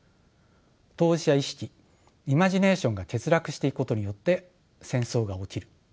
当事者意識イマジネーションが欠落していくことによって戦争が起きる。